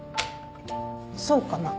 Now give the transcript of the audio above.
そうかな？